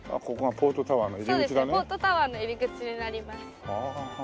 ポートタワーの入り口になります。